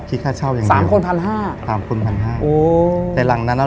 ค่าเช่ายังไงสามคนพันห้าสามคนพันห้าโอ้แต่หลังนั้นอ่ะ